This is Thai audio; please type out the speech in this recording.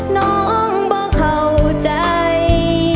น้องบ่เข้าใจ